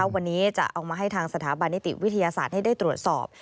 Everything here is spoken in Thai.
วันนี้จะเอามาให้ทางสถาบันนิติวิทยาศาสตร์ให้ได้ตรวจสอบ